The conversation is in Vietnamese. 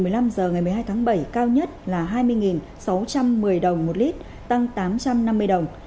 giá xăng e năm ron chín mươi hai từ một mươi năm h ngày một mươi hai tháng bảy cao nhất là hai mươi một sáu trăm một mươi đồng một lít tăng tám trăm năm mươi đồng